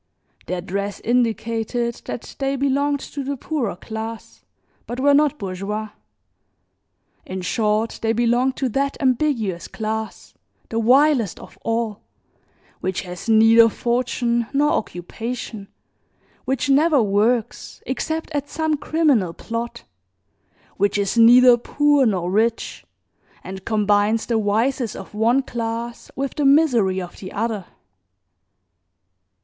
Their dress indicated that they belonged to the poorer class but were not bourgeois; in short they belonged to that ambiguous class, the vilest of all, which has neither fortune nor occupation, which never works except at some criminal plot, which is neither poor nor rich and combines the vices of one class with the misery of the other.